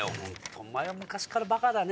お前は昔からバカだね